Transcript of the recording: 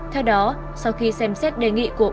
theo đó sau khi xem xét đề nghị của ủy viên trung ương đảng